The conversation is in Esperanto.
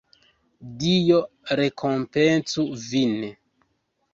Dio rekompencu vin!